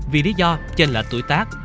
vì lý do trên lệch tuổi tài sản